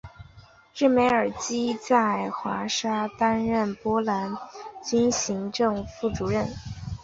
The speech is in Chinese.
日梅尔斯基在华沙担任波兰军行政副主任。